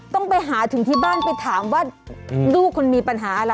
ต้องไปหาถึงที่บ้านไปถามว่าลูกคุณมีปัญหาอะไร